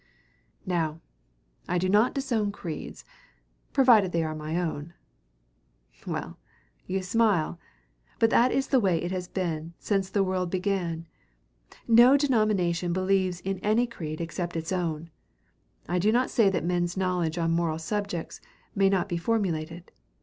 Now, I do not disown creeds provided they are my own! Well, you smile; but that is the way it has been since the world began. No denomination believes in any creed except its own. I do not say that men's knowledge on moral subjects may not be formulated.